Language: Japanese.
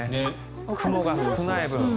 雲が少ない分。